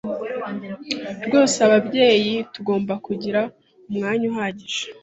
Rwose ababyeyi tugomba kugira umwanya uhagije